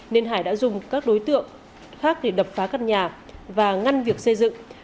nên hải đã dùng các đối tượng khác để đập phá căn nhà và ngăn việc xây dựng